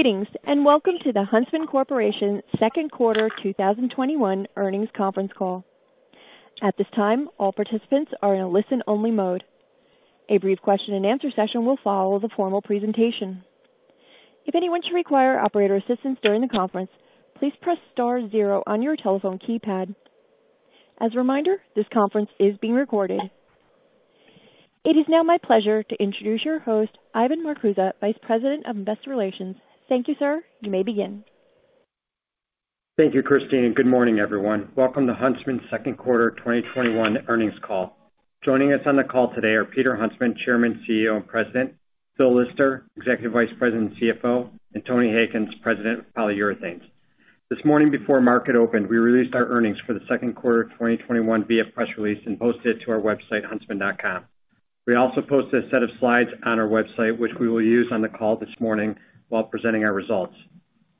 Greetings, welcome to the Huntsman Corporation Second Quarter 2021 Earnings Conference Call. At this time, all participants are in a listen-only mode. A brief question and answer session will follow the formal presentation. If anyone should require operator assistance during the conference, please press star zero on your telephone keypad. As a reminder, this conference is being recorded. It is now my pleasure to introduce your host, Ivan Marcuse, Vice President of Investor Relations. Thank you, sir. You may begin. Thank you, Christine, and good morning, everyone. Welcome to Huntsman's Second Quarter 2021 Earnings Call. Joining us on the call today are Peter Huntsman, Chairman, CEO, and President, Phil Lister, Executive Vice President and CFO, and Tony Hankins, President of Polyurethanes. This morning before market opened, we released our earnings for the second quarter of 2021 via press release and posted it to our website, huntsman.com. We also posted a set of slides on our website, which we will use on the call this morning while presenting our results.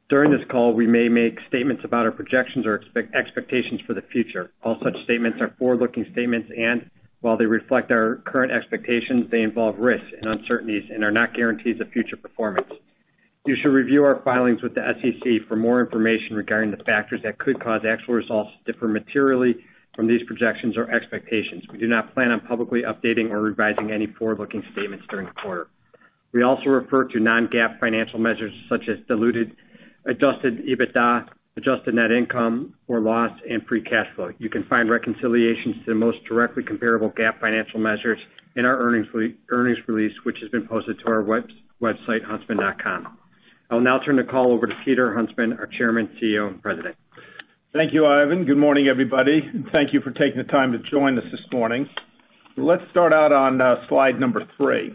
During this call, we may make statements about our projections or expectations for the future. All such statements are forward-looking statements, and while they reflect our current expectations, they involve risks and uncertainties and are not guarantees of future performance. You should review our filings with the SEC for more information regarding the factors that could cause actual results to differ materially from these projections or expectations. We do not plan on publicly updating or revising any forward-looking statements during the quarter. We also refer to non-GAAP financial measures such as diluted, adjusted EBITDA, adjusted net income or loss, and free cash flow. You can find reconciliations to the most directly comparable GAAP financial measures in our earnings release, which has been posted to our website, huntsman.com. I will now turn the call over to Peter Huntsman, our Chairman, CEO, and President. Thank you, Ivan. Good morning, everybody, and thank you for taking the time to join us this morning. Let's start out on slide number three.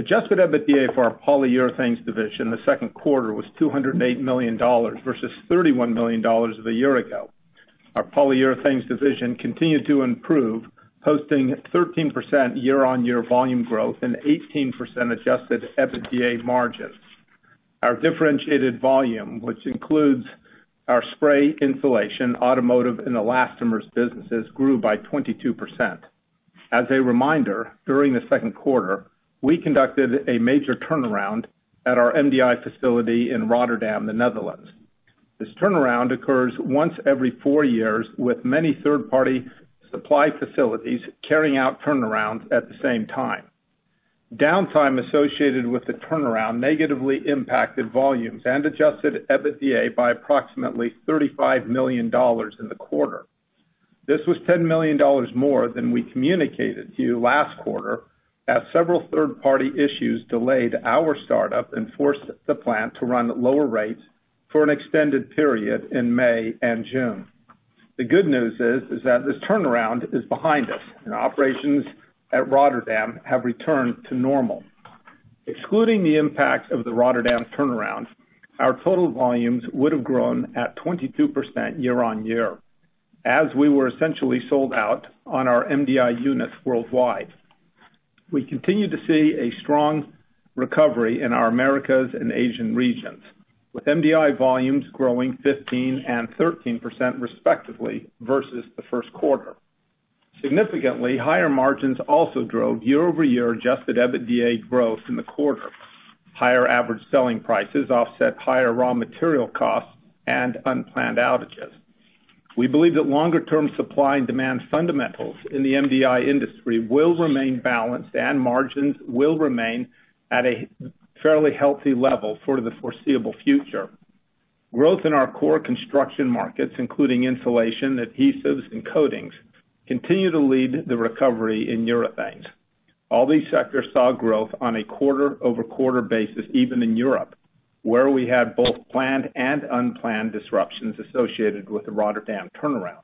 Adjusted EBITDA for our Polyurethanes division in the second quarter was $208 million versus $31 million of a year ago. Our Polyurethanes division continued to improve, posting 13% year-on-year volume growth and 18% adjusted EBITDA margins. Our differentiated volume, which includes our spray insulation, automotive, and elastomers businesses, grew by 22%. As a reminder, during the second quarter, we conducted a major turnaround at our MDI facility in Rotterdam, the Netherlands. This turnaround occurs once every four years, with many third-party supply facilities carrying out turnarounds at the same time. Downtime associated with the turnaround negatively impacted volumes and adjusted EBITDA by approximately $35 million in the quarter. This was $10 million more than we communicated to you last quarter, as several third-party issues delayed our startup and forced the plant to run at lower rates for an extended period in May and June. The good news is that this turnaround is behind us and operations at Rotterdam have returned to normal. Excluding the impact of the Rotterdam turnaround, our total volumes would have grown at 22% year-on-year, as we were essentially sold out on our MDI units worldwide. We continue to see a strong recovery in our Americas and Asian regions, with MDI volumes growing 15% and 13% respectively versus the first quarter. Significantly higher margins also drove year-over-year adjusted EBITDA growth in the quarter. Higher average selling prices offset higher raw material costs and unplanned outages. We believe that longer-term supply and demand fundamentals in the MDI industry will remain balanced and margins will remain at a fairly healthy level for the foreseeable future. Growth in our core construction markets, including insulation, adhesives, and coatings, continue to lead the recovery in urethanes. All these sectors saw growth on a quarter-over-quarter basis, even in Europe, where we had both planned and unplanned disruptions associated with the Rotterdam turnaround.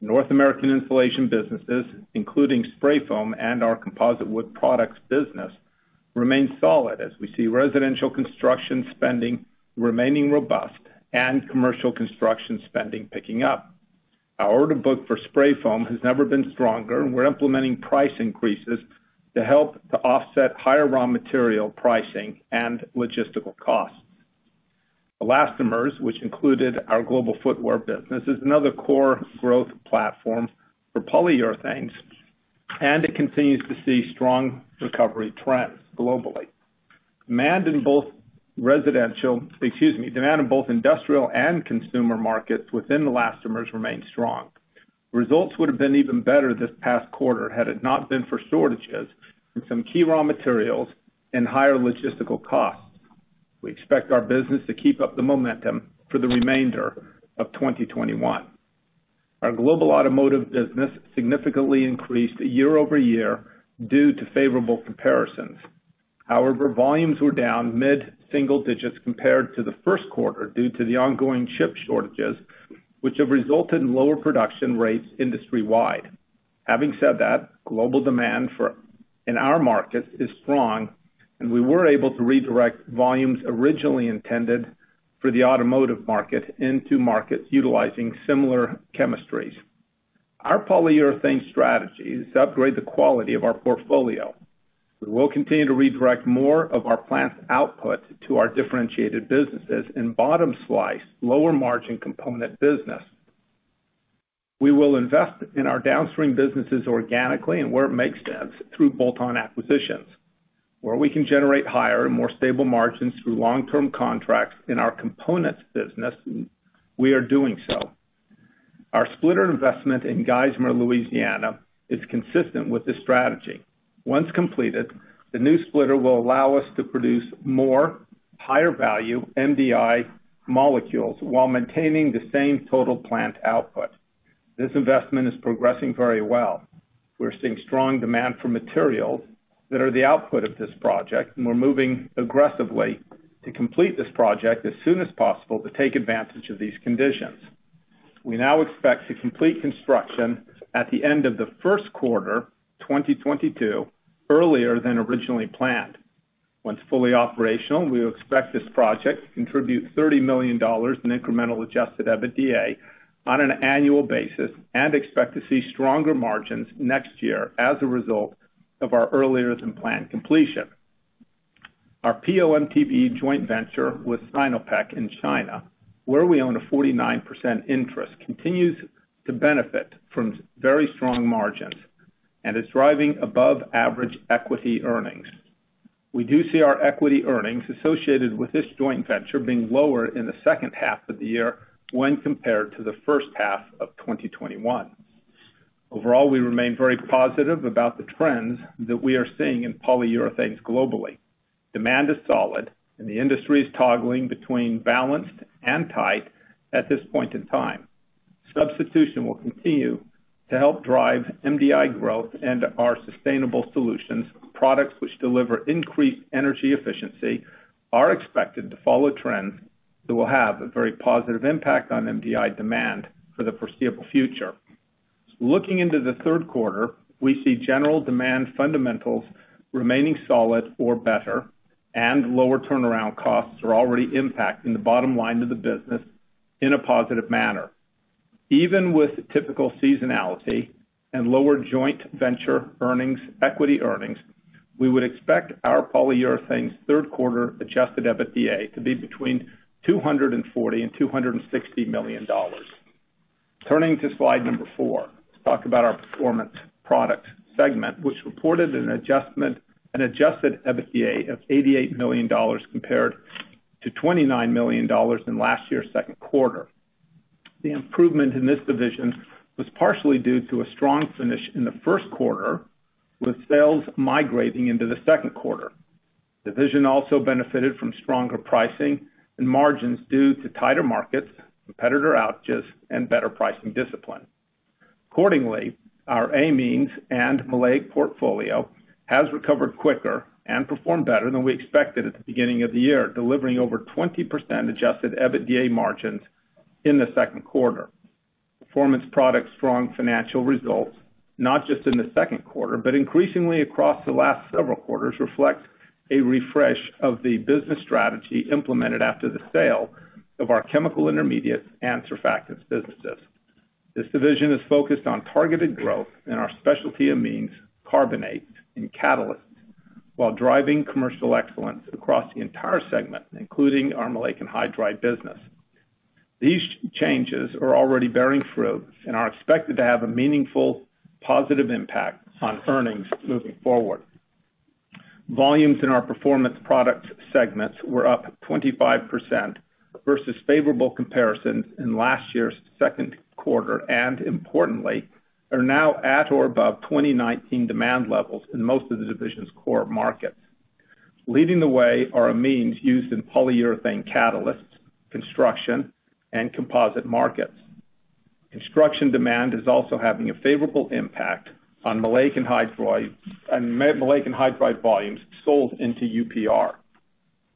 North American insulation businesses, including spray foam and our composite wood products business, remain solid as we see residential construction spending remaining robust and commercial construction spending picking up. Our order book for spray foam has never been stronger, and we're implementing price increases to help to offset higher raw material pricing and logistical costs. Elastomers, which included our global footwear business, is another core growth platform for Polyurethanes, and it continues to see strong recovery trends globally. Demand in both industrial and consumer markets within elastomers remains strong. Results would have been even better this past quarter had it not been for shortages in some key raw materials and higher logistical costs. We expect our business to keep up the momentum for the remainder of 2021. Our global automotive business significantly increased year-over-year due to favorable comparisons. However, volumes were down mid-single digits compared to the first quarter due to the ongoing chip shortages, which have resulted in lower production rates industry-wide. Having said that, global demand in our markets is strong, and we were able to redirect volumes originally intended for the automotive market into markets utilizing similar chemistries. Our Polyurethanes strategy is to upgrade the quality of our portfolio. We will continue to redirect more of our plant's output to our differentiated businesses and bottom slice lower-margin component business. We will invest in our downstream businesses organically and where it makes sense through bolt-on acquisitions, where we can generate higher and more stable margins through long-term contracts in our components business, we are doing so. Our splitter investment in Geismar, Louisiana is consistent with this strategy. Once completed, the new splitter will allow us to produce more higher value MDI molecules while maintaining the same total plant output. This investment is progressing very well. We're seeing strong demand for materials that are the output of this project, and we're moving aggressively to complete this project as soon as possible to take advantage of these conditions. We now expect to complete construction at the end of the first quarter 2022, earlier than originally planned. Once fully operational, we expect this project to contribute $30 million in incremental adjusted EBITDA on an annual basis and expect to see stronger margins next year as a result of our earlier than planned completion. Our PO/MTBE joint venture with Sinopec in China, where we own a 49% interest, continues to benefit from very strong margins and is driving above-average equity earnings. We do see our equity earnings associated with this joint venture being lower in the second half of the year when compared to the first half of 2021. Overall, we remain very positive about the trends that we are seeing in polyurethanes globally. Demand is solid, and the industry is toggling between balanced and tight at this point in time. Substitution will continue to help drive MDI growth and our sustainable solutions products, which deliver increased energy efficiency, are expected to follow trends that will have a very positive impact on MDI demand for the foreseeable future. Looking into the third quarter, we see general demand fundamentals remaining solid or better. Lower turnaround costs are already impacting the bottom line of the business in a positive manner. Even with typical seasonality and lower joint venture equity earnings, we would expect our Polyurethanes third quarter adjusted EBITDA to be between $240 million and $260 million. Turning to slide number four. Let's talk about our Performance Products segment, which reported an adjusted EBITDA of $88 million compared to $29 million in last year's third quarter. The improvement in this division was partially due to a strong finish in the first quarter, with sales migrating into the second quarter. The division also benefited from stronger pricing and margins due to tighter markets, competitor outages, and better pricing discipline. Accordingly, our amines and maleic portfolio has recovered quicker and performed better than we expected at the beginning of the year, delivering over 20% adjusted EBITDA margins in the second quarter. Performance Products' strong financial results, not just in the second quarter, but increasingly across the last several quarters, reflect a refresh of the business strategy implemented after the sale of our chemical intermediates and surfactants businesses. This division is focused on targeted growth in our specialty amines, carbonates, and catalysts while driving commercial excellence across the entire segment, including our maleic anhydride business. These changes are already bearing fruit and are expected to have a meaningful positive impact on earnings moving forward. Volumes in our Performance Products segments were up 25% versus favorable comparisons in last year's second quarter, importantly, are now at or above 2019 demand levels in most of the division's core markets. Leading the way are amines used in polyurethane catalysts, construction, and composite markets. Construction demand is also having a favorable impact on maleic anhydride volumes sold into UPR.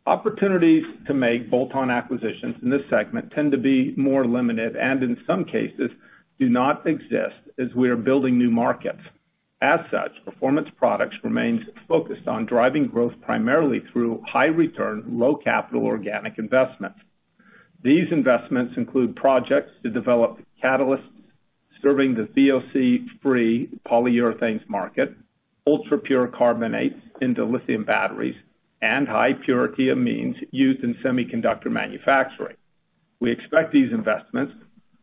Opportunities to make bolt-on acquisitions in this segment tend to be more limited and in some cases, do not exist as we are building new markets. As such, Performance Products remains focused on driving growth primarily through high return, low capital organic investments. These investments include projects to develop catalysts serving the VOC-free polyurethanes market, ultra-pure carbonates into lithium batteries, and high purity amines used in semiconductor manufacturing. We expect these investments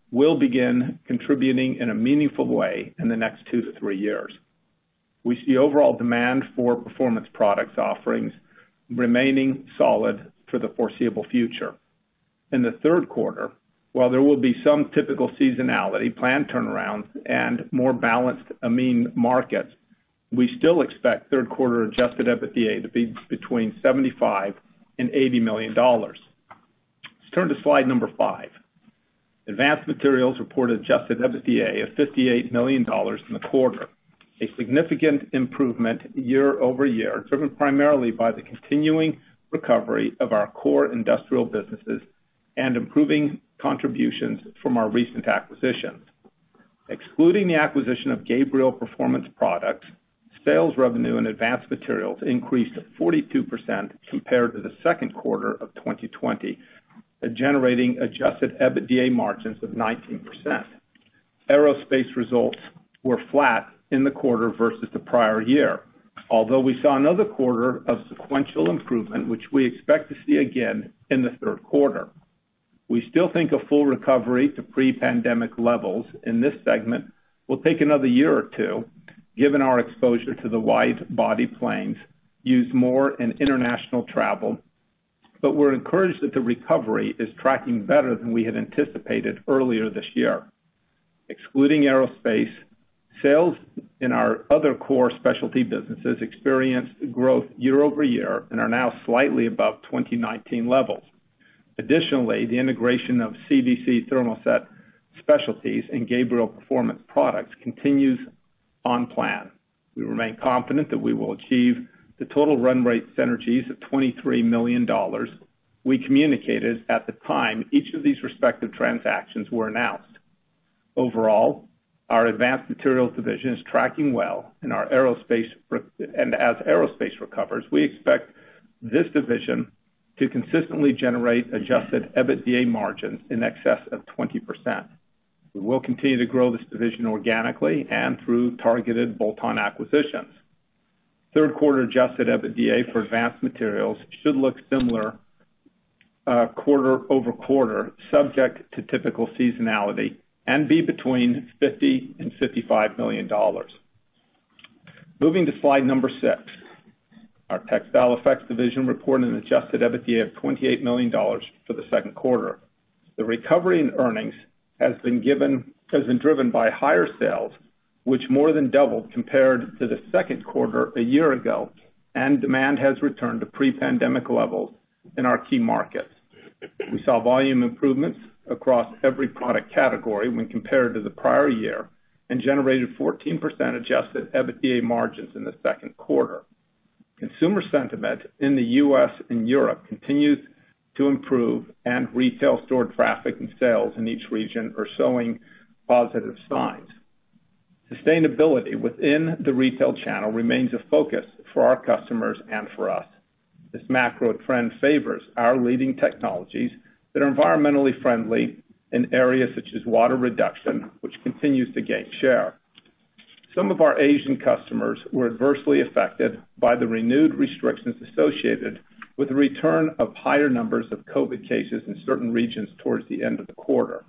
will begin contributing in a meaningful way in the next two to three years. We see overall demand for Performance Products offerings remaining solid for the foreseeable future. In the third quarter, while there will be some typical seasonality, planned turnarounds, and more balanced amine markets, we still expect third quarter adjusted EBITDA to be between $75 million and $80 million. Let's turn to slide number five. Advanced Materials reported adjusted EBITDA of $58 million in the quarter, a significant improvement year-over-year, driven primarily by the continuing recovery of our core industrial businesses and improving contributions from our recent acquisitions. Excluding the acquisition of Gabriel Performance Products, sales revenue in Advanced Materials increased 42% compared to the second quarter of 2020, generating adjusted EBITDA margins of 19%. Aerospace results were flat in the quarter versus the prior year. We saw another quarter of sequential improvement, which we expect to see again in the third quarter. We still think a full recovery to pre-pandemic levels in this segment will take another year or two, given our exposure to the wide-body planes used more in international travel. We're encouraged that the recovery is tracking better than we had anticipated earlier this year. Excluding aerospace, sales in our other core specialty businesses experienced growth year-over-year and are now slightly above 2019 levels. Additionally, the integration of CVC Thermoset Specialties and Gabriel Performance Products continues on plan. We remain confident that we will achieve the total run rate synergies of $23 million we communicated at the time each of these respective transactions were announced. Overall, our Advanced Materials division is tracking well, and as aerospace recovers, we expect this division to consistently generate adjusted EBITDA margins in excess of 20%. We will continue to grow this division organically and through targeted bolt-on acquisitions. Third quarter adjusted EBITDA for Advanced Materials should look similar quarter-over-quarter, subject to typical seasonality, and be between $50 million and $55 million. Moving to slide number six. Our Textile Effects division reported an adjusted EBITDA of $28 million for the second quarter. The recovery in earnings has been driven by higher sales, which more than doubled compared to the second quarter a year ago, and demand has returned to pre-pandemic levels in our key markets. We saw volume improvements across every product category when compared to the prior year and generated 14% adjusted EBITDA margins in the second quarter. Consumer sentiment in the U.S. and Europe continues to improve, retail store traffic and sales in each region are showing positive signs. Sustainability within the retail channel remains a focus for our customers and for us. This macro trend favors our leading technologies that are environmentally friendly in areas such as water reduction, which continues to gain share. Some of our Asian customers were adversely affected by the renewed restrictions associated with the return of higher numbers of COVID cases in certain regions towards the end of the quarter.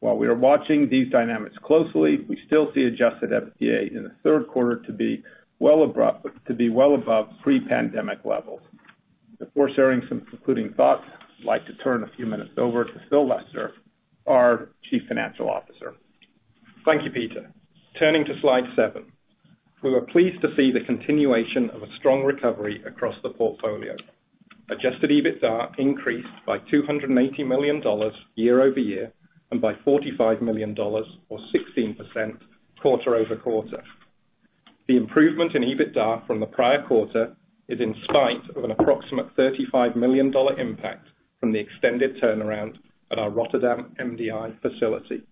While we are watching these dynamics closely, we still see adjusted EBITDA in the third quarter to be well above pre-pandemic levels. Before sharing some concluding thoughts, I'd like to turn a few minutes over to Phil Lister, our Chief Financial Officer. Thank you, Peter. Turning to slide seven. We were pleased to see the continuation of a strong recovery across the portfolio. Adjusted EBITDA increased by $280 million year-over-year, and by $45 million, or 16%, quarter-over-quarter. The improvement in EBITDA from the prior quarter is in spite of an approximate $35 million impact from the extended turnaround at our Rotterdam MDI facility.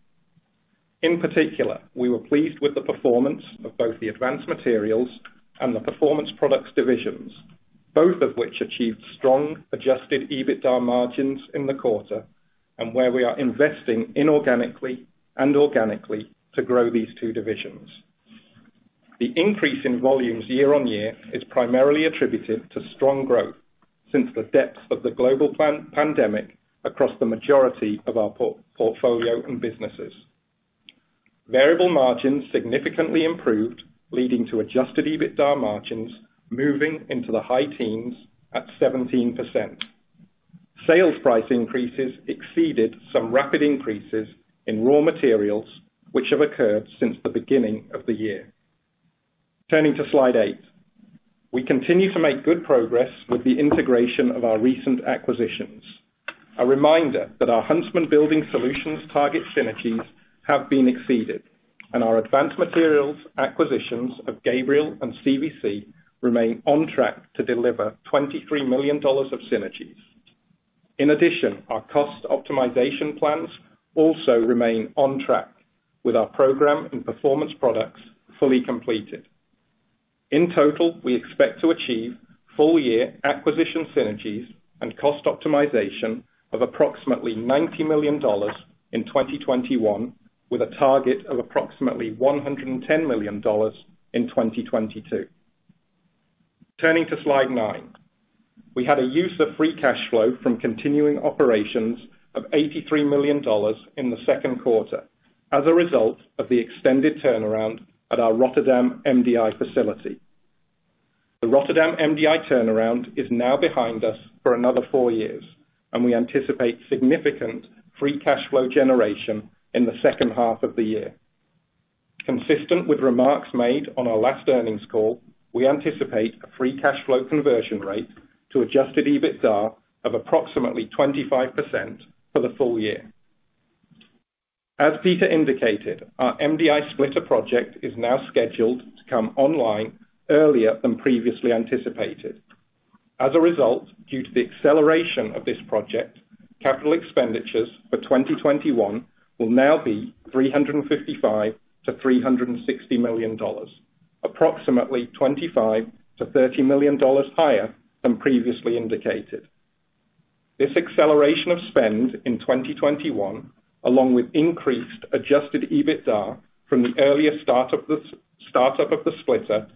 In particular, we were pleased with the performance of both the Advanced Materials and the Performance Products divisions, both of which achieved strong adjusted EBITDA margins in the quarter and where we are investing inorganically and organically to grow these two divisions. The increase in volumes year-on-year is primarily attributed to strong growth since the depths of the global pandemic across the majority of our portfolio and businesses. Variable margins significantly improved, leading to adjusted EBITDA margins moving into the high teens at 17%. Sales price increases exceeded some rapid increases in raw materials, which have occurred since the beginning of the year. Turning to slide eight. We continue to make good progress with the integration of our recent acquisitions. A reminder that our Huntsman Building Solutions target synergies have been exceeded, and our Advanced Materials acquisitions of Gabriel and CVC remain on track to deliver $23 million of synergies. In addition, our cost optimization plans also remain on track with our program and Performance Products fully completed. In total, we expect to achieve full year acquisition synergies and cost optimization of approximately $90 million in 2021, with a target of approximately $110 million in 2022. Turning to slide nine. We had a use of free cash flow from continuing operations of $83 million in the second quarter as a result of the extended turnaround at our Rotterdam MDI facility. The Rotterdam MDI turnaround is now behind us for another four years, and we anticipate significant free cash flow generation in the second half of the year. Consistent with remarks made on our last earnings call, we anticipate a free cash flow conversion rate to adjusted EBITDA of approximately 25% for the full year. As Peter indicated, our MDI splitter project is now scheduled to come online earlier than previously anticipated. As a result, due to the acceleration of this project, capital expenditures for 2021 will now be $355 million-$360 million, approximately $25 million-$30 million higher than previously indicated. This acceleration of spend in 2021, along with increased adjusted EBITDA from the earlier startup of the splitter,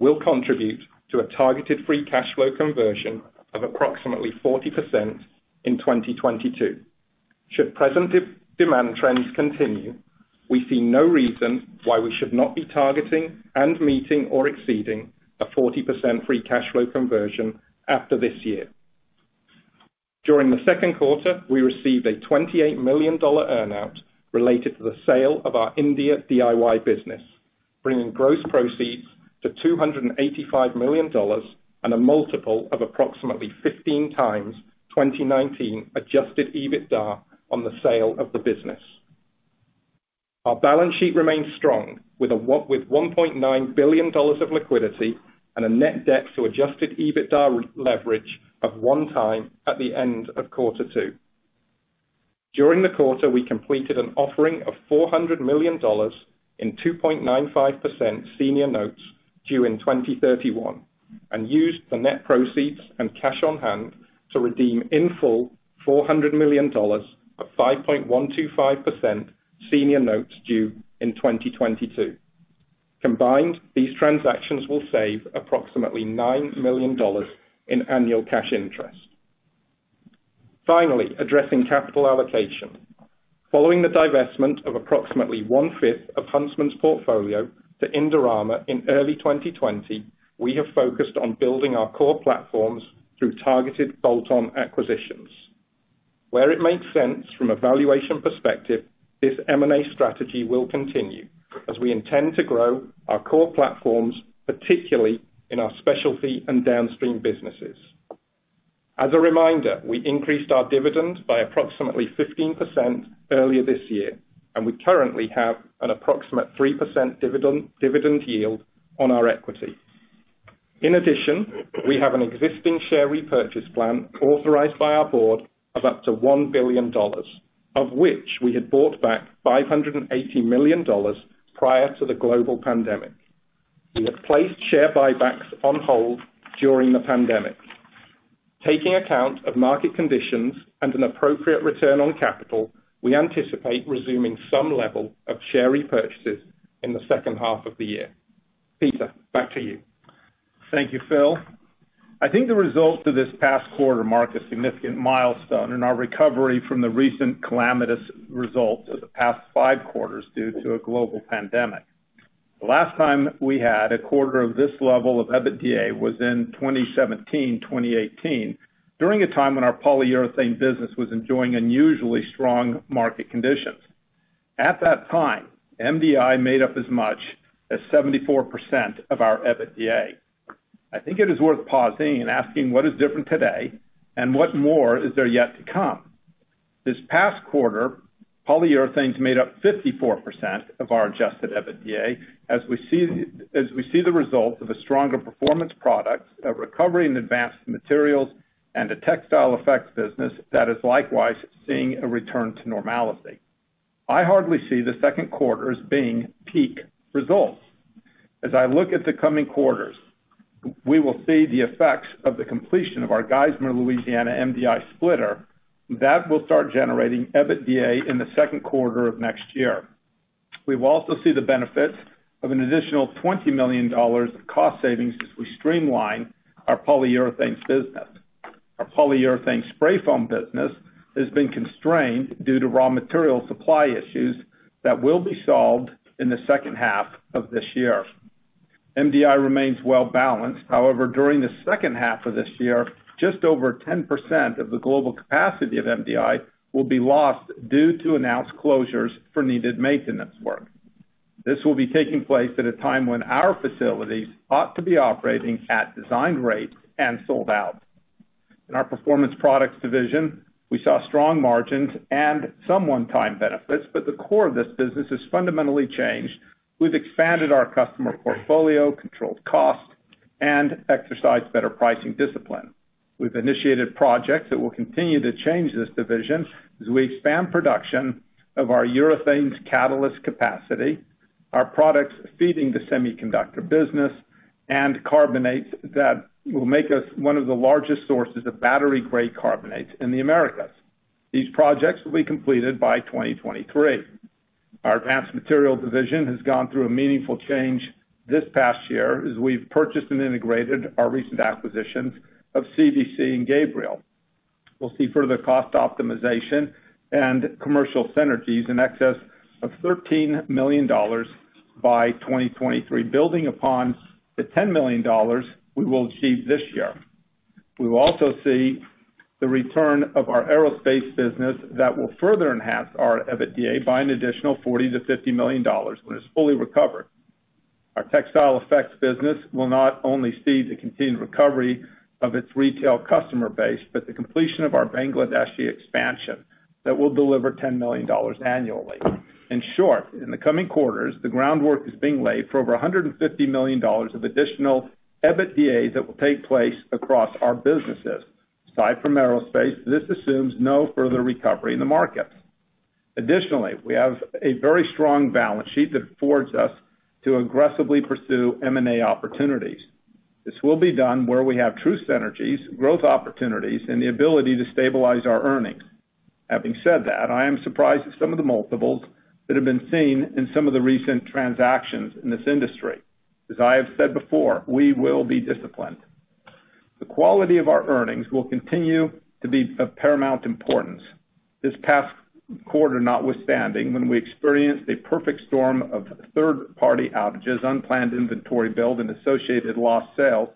will contribute to a targeted free cash flow conversion of approximately 40% in 2022. Should present demand trends continue, we see no reason why we should not be targeting and meeting or exceeding a 40% free cash flow conversion after this year. During the second quarter, we received a $28 million earn-out related to the sale of our India DIY business, bringing gross proceeds to $285 million and a multiple of approximately 15x 2019 adjusted EBITDA on the sale of the business. Our balance sheet remains strong with $1.9 billion of liquidity and a net debt to adjusted EBITDA leverage of one time at the end of quarter two. During the quarter, we completed an offering of $400 million in 2.95% senior notes due in 2031 and used the net proceeds and cash on hand to redeem in full $400 million of 5.125% senior notes due in 2022. Combined, these transactions will save approximately $9 million in annual cash interest. Addressing capital allocation. Following the divestment of approximately one-fifth of Huntsman's portfolio to Indorama in early 2020, we have focused on building our core platforms through targeted bolt-on acquisitions. Where it makes sense from a valuation perspective, this M&A strategy will continue as we intend to grow our core platforms, particularly in our specialty and downstream businesses. As a reminder, we increased our dividend by approximately 15% earlier this year, and we currently have an approximate 3% dividend yield on our equity. In addition, we have an existing share repurchase plan authorized by our board of up to $1 billion, of which we had bought back $580 million prior to the global pandemic. We have placed share buybacks on hold during the pandemic. Taking account of market conditions and an appropriate return on capital, we anticipate resuming some level of share repurchases in the second half of the year. Peter, back to you. Thank you, Phil. I think the results of this past quarter mark a significant milestone in our recovery from the recent calamitous results of the past five quarters due to a global pandemic. The last time we had a quarter of this level of EBITDA was in 2017, 2018, during a time when our Polyurethanes business was enjoying unusually strong market conditions. At that time, MDI made up as much as 74% of our EBITDA. I think it is worth pausing and asking what is different today and what more is there yet to come. This past quarter, Polyurethanes made up 54% of our adjusted EBITDA. As we see the result of a stronger Performance Products, a recovery in Advanced Materials, and a Textile Effects business that is likewise seeing a return to normality. I hardly see the second quarter as being peak results. As I look at the coming quarters, we will see the effects of the completion of our Geismar, Louisiana, MDI splitter. That will start generating EBITDA in the second quarter of next year. We will also see the benefits of an additional $20 million of cost savings as we streamline our Polyurethanes business. Our Polyurethane spray foam business has been constrained due to raw material supply issues that will be solved in the second half of this year. MDI remains well-balanced. However, during the second half of this year, just over 10% of the global capacity of MDI will be lost due to announced closures for needed maintenance work. This will be taking place at a time when our facilities ought to be operating at designed rates and sold out. In our Performance Products division, we saw strong margins and some one-time benefits. The core of this business has fundamentally changed. We've expanded our customer portfolio, controlled costs, and exercised better pricing discipline. We've initiated projects that will continue to change this division as we expand production of our urethanes catalyst capacity, our products feeding the semiconductor business, and carbonates that will make us one of the largest sources of battery-grade carbonates in the Americas. These projects will be completed by 2023. Our Advanced Materials division has gone through a meaningful change this past year as we've purchased and integrated our recent acquisitions of CVC and Gabriel. We'll see further cost optimization and commercial synergies in excess of $13 million by 2023, building upon the $10 million we will achieve this year. We will also see the return of our aerospace business that will further enhance our EBITDA by an additional $40 million-$50 million when it's fully recovered. Our Textile Effects business will not only see the continued recovery of its retail customer base, but the completion of our Bangladeshi expansion that will deliver $10 million annually. In short, in the coming quarters, the groundwork is being laid for over $150 million of additional EBITDA that will take place across our businesses. Aside from aerospace, this assumes no further recovery in the market. Additionally, we have a very strong balance sheet that affords us to aggressively pursue M&A opportunities. This will be done where we have true synergies, growth opportunities, and the ability to stabilize our earnings. Having said that, I am surprised at some of the multiples that have been seen in some of the recent transactions in this industry. As I have said before, we will be disciplined. The quality of our earnings will continue to be of paramount importance. This past quarter notwithstanding, when we experienced a perfect storm of third-party outages, unplanned inventory build, and associated lost sales,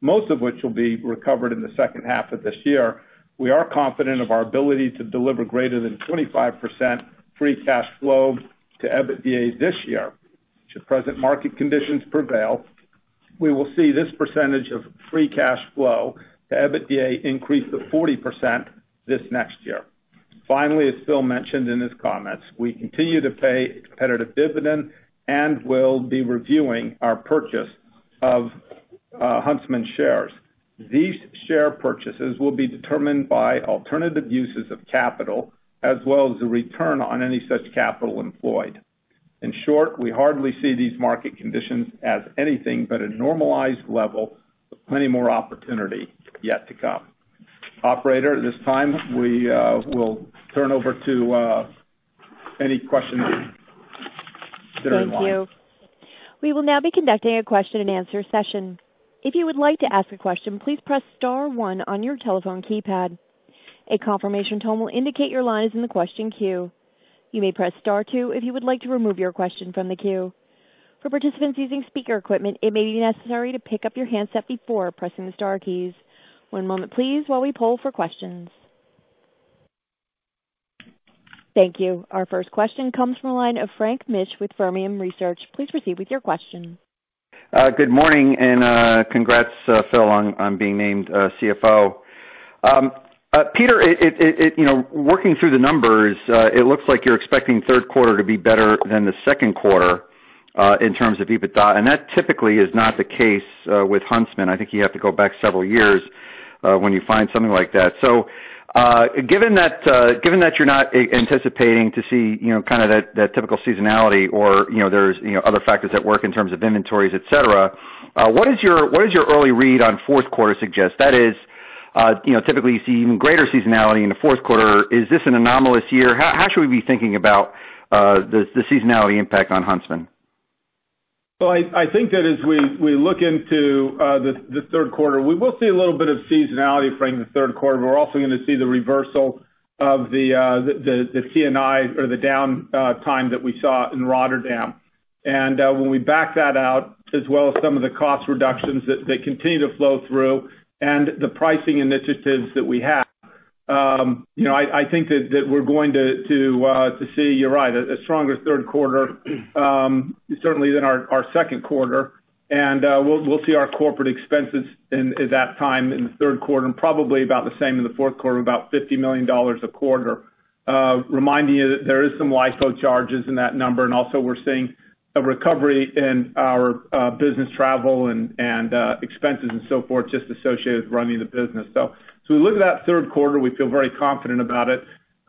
most of which will be recovered in the second half of this year, we are confident of our ability to deliver greater than 25% free cash flow to EBITDA this year. Should present market conditions prevail, we will see this percentage of free cash flow to EBITDA increase to 40% this next year. Finally, as Phil mentioned in his comments, we continue to pay a competitive dividend and will be reviewing our purchase of Huntsman shares. These share purchases will be determined by alternative uses of capital, as well as the return on any such capital employed. In short, we hardly see these market conditions as anything but a normalized level with plenty more opportunity yet to come. Operator, at this time, we will turn over to any questions that are in line. Thank you. Our first question comes from the line of Frank Mitsch with Fermium Research. Please proceed with your question. Good morning. Congrats, Phil, on being named CFO. Peter, working through the numbers, it looks like you're expecting third quarter to be better than the second quarter in terms of EBITDA. That typically is not the case with Huntsman. I think you have to go back several years when you find something like that. Given that you're not anticipating to see that typical seasonality or there's other factors at work in terms of inventories, et cetera, what does your early read on fourth quarter suggest? That is, typically you see even greater seasonality in the fourth quarter. Is this an anomalous year? How should we be thinking about the seasonality impact on Huntsman? I think that as we look into the third quarter, we will see a little bit of seasonality during the third quarter, but we're also going to see the reversal of the T&I or the downtime that we saw in Rotterdam. When we back that out, as well as some of the cost reductions that continue to flow through and the pricing initiatives that we have, I think that we're going to see, you're right, a stronger third quarter certainly than our second quarter. We'll see our corporate expenses at that time in the third quarter and probably about the same in the fourth quarter, about $50 million a quarter. Reminding you that there is some LIFO charges in that number, and also we're seeing a recovery in our business travel and expenses and so forth, just associated with running the business. We look at that third quarter, we feel very confident about it.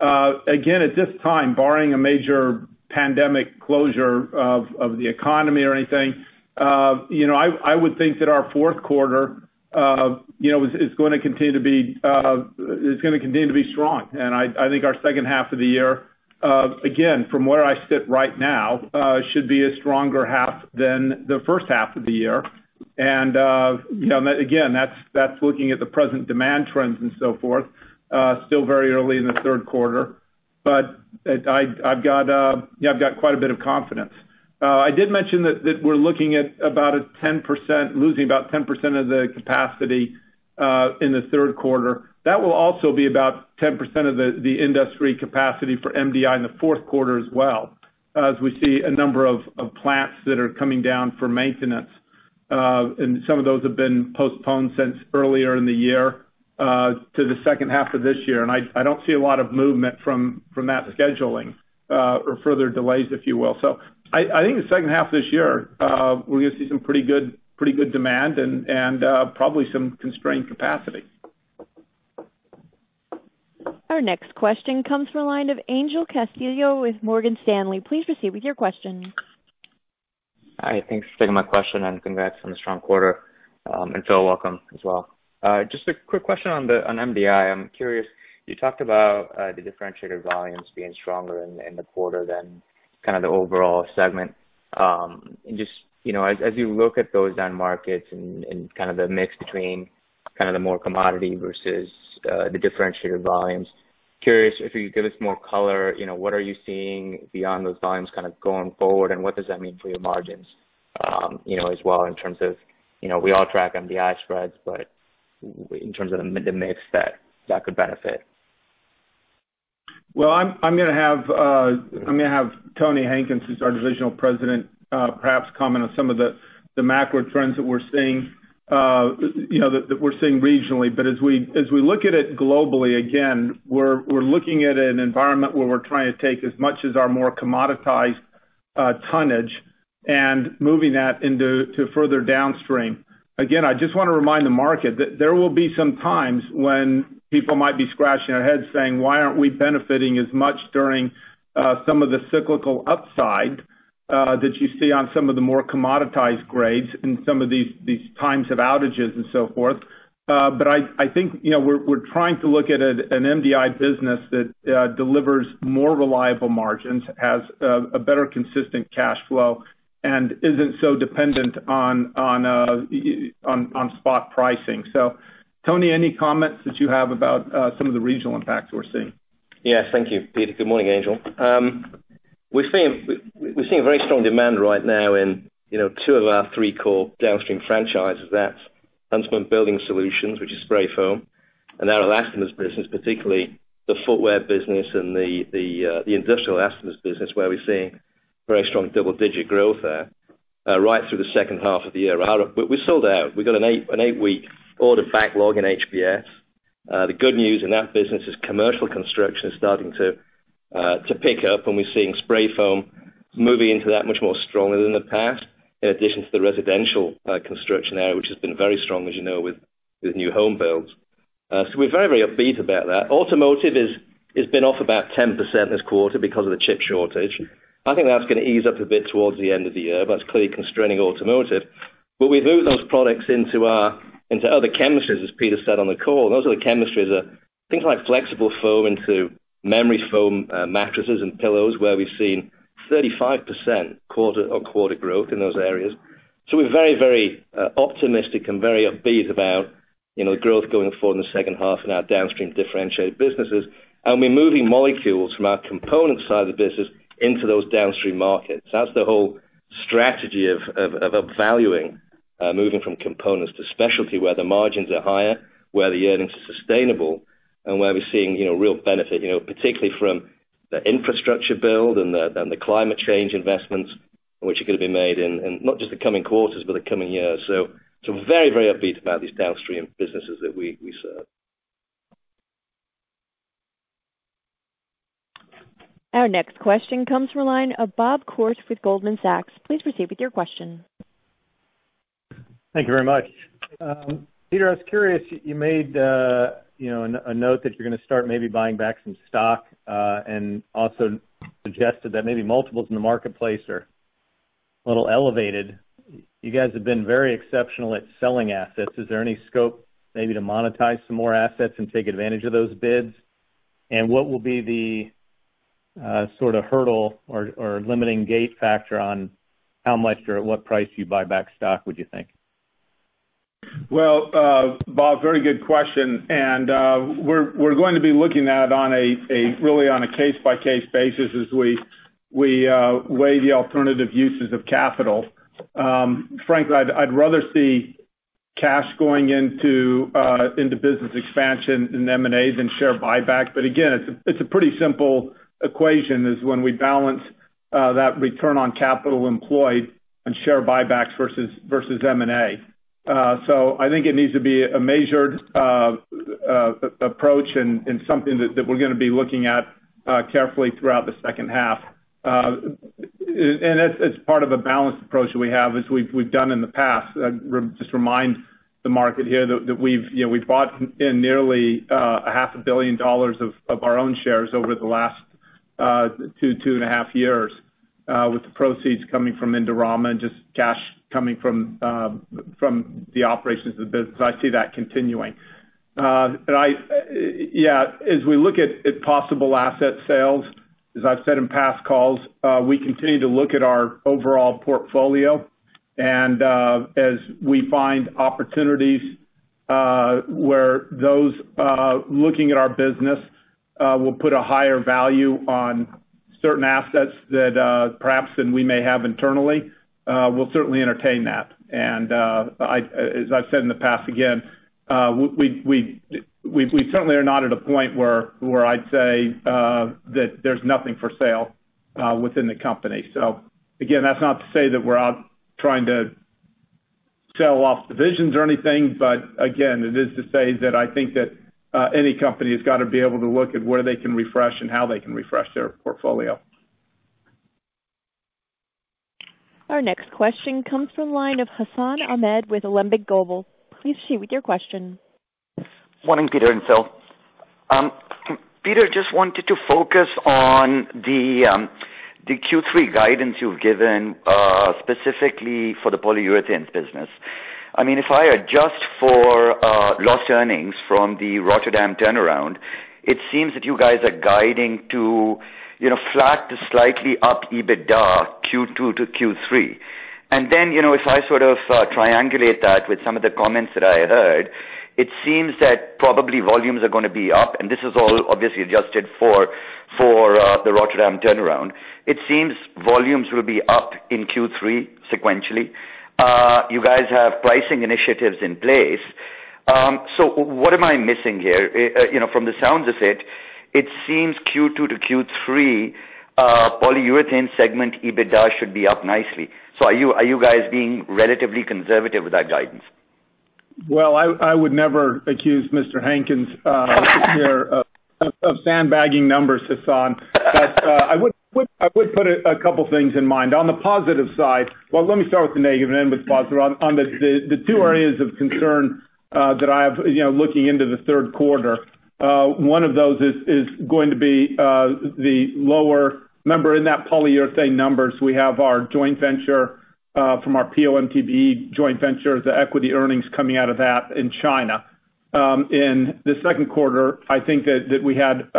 At this time, barring a major pandemic closure of the economy or anything, I would think that our fourth quarter is going to continue to be strong. I think our second half of the year, again, from where I sit right now, should be a stronger half than the first half of the year. Again, that's looking at the present demand trends and so forth. Still very early in the third quarter, but I've got quite a bit of confidence. I did mention that we're looking at losing about 10% of the capacity in the third quarter. That will also be about 10% of the industry capacity for MDI in the fourth quarter as well, as we see a number of plants that are coming down for maintenance. Some of those have been postponed since earlier in the year to the second half of this year. I don't see a lot of movement from that scheduling or further delays, if you will. I think the second half of this year, we're going to see some pretty good demand and probably some constrained capacity. Our next question comes from the line of Angel Castillo with Morgan Stanley. Please proceed with your question. Hi, thanks for taking my question, and congrats on the strong quarter. Phil, welcome as well. Just a quick question on MDI. I'm curious, you talked about the differentiated volumes being stronger in the quarter than kind of the overall segment. As you look at those end markets and kind of the mix between kind of the more commodity versus the differentiated volumes, curious if you could give us more color. What are you seeing beyond those volumes kind of going forward, and what does that mean for your margins as well in terms of, we all track MDI spreads, but in terms of the mix that could benefit. I'm going to have Tony Hankins, who's our divisional president, perhaps comment on some of the macro trends that we're seeing regionally. As we look at it globally, again, we're looking at an environment where we're trying to take as much as our more commoditized tonnage and moving that into further downstream. Again, I just want to remind the market that there will be some times when people might be scratching their heads saying, "Why aren't we benefiting as much during some of the cyclical upside that you see on some of the more commoditized grades in some of these times of outages and so forth?" I think we're trying to look at an MDI business that delivers more reliable margins, has a better consistent cash flow, and isn't so dependent on spot pricing. Tony, any comments that you have about some of the regional impacts we're seeing? Yes, thank you, Peter. Good morning, Angel. We're seeing very strong demand right now in two of our three core downstream franchises. That's Huntsman Building Solutions, which is spray foam, and our elastomers business, particularly the footwear business and the industrial elastomers business, where we're seeing very strong double-digit growth there right through the second half of the year. We're sold out. We've got an eight-week order backlog in HBS. The good news in that business is commercial construction is starting to pick up, and we're seeing spray foam moving into that much more strongly than the past, in addition to the residential construction area, which has been very strong, as you know, with new home builds. We're very upbeat about that. Automotive has been off about 10% this quarter because of the chip shortage. I think that's going to ease up a bit towards the end of the year, but it's clearly constraining automotive. We move those products into other chemistries, as Peter said on the call. Those other chemistries are things like flexible foam into memory foam mattresses and pillows, where we've seen 35% quarter-on-quarter growth in those areas. We're very optimistic and very upbeat about the growth going forward in the second half in our downstream differentiated businesses. We're moving molecules from our components side of the business into those downstream markets. That's the whole strategy of upvaluing, moving from components to specialty, where the margins are higher, where the earnings are sustainable, and where we're seeing real benefit, particularly from the infrastructure build and the climate change investments, which are going to be made in not just the coming quarters, but the coming years. We're very upbeat about these downstream businesses that we serve. Our next question comes from the line of Bob Koort with Goldman Sachs. Please proceed with your question. Thank you very much. Peter, I was curious, you made a note that you're going to start maybe buying back some stock, and also suggested that maybe multiples in the marketplace are a little elevated. You guys have been very exceptional at selling assets. Is there any scope maybe to monetize some more assets and take advantage of those bids? What will be the sort of hurdle or limiting gate factor on how much or at what price you'd buy back stock, would you think? Well Bob, very good question. We're going to be looking at it really on a case-by-case basis as we weigh the alternative uses of capital. Frankly, I'd rather see cash going into business expansion and M&A than share buyback. Again, it's a pretty simple equation, is when we balance that return on capital employed and share buybacks versus M&A. I think it needs to be a measured approach and something that we're going to be looking at carefully throughout the second half. It's part of a balanced approach that we have, as we've done in the past. Just remind the market here that we've bought in nearly a half a billion dollars of our own shares over the last two and a half years, with the proceeds coming from Indorama and just cash coming from the operations of the business. I see that continuing. As we look at possible asset sales, as I've said in past calls, we continue to look at our overall portfolio, and as we find opportunities where those looking at our business will put a higher value on certain assets that perhaps than we may have internally, we'll certainly entertain that. As I've said in the past again, we certainly are not at a point where I'd say that there's nothing for sale within the company. Again, that's not to say that we're out trying to sell off divisions or anything, but again, it is to say that I think that any company has got to be able to look at where they can refresh and how they can refresh their portfolio. Our next question comes from the line of Hassan Ahmed with Alembic Global. Please share with your question. Morning, Peter and Phil. Peter, just wanted to focus on the Q3 guidance you've given specifically for the Polyurethanes business. If I adjust for lost earnings from the Rotterdam turnaround, it seems that you guys are guiding to flat to slightly up EBITDA Q2 to Q3. If I sort of triangulate that with some of the comments that I heard, it seems that probably volumes are going to be up, and this is all obviously adjusted for the Rotterdam turnaround. It seems volumes will be up in Q3 sequentially. You guys have pricing initiatives in place. What am I missing here? From the sounds of it seems Q2 to Q3 Polyurethanes segment EBITDA should be up nicely. Are you guys being relatively conservative with that guidance? Well, I would never accuse Mr. Hankins here of sandbagging numbers, Hassan. I would put a couple things in mind. On the positive side. Well, let me start with the negative, and end with the positive on the two areas of concern that I have, looking into the third quarter. One of those is going to be the lower, remember in that Polyurethanes numbers, we have our joint venture from our PO/MTBE joint venture, the equity earnings coming out of that in China. In the second quarter, I think that we had